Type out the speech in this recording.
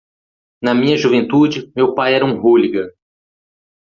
Na minha juventude, meu pai era um hooligan.